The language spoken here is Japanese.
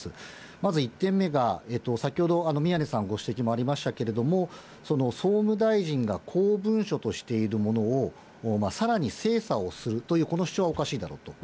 まず１点目が先ほど、宮根さんご指摘もありましたけれども、総務大臣が公文書としているものを、さらに精査をするという、この主張はおかしいだろうと。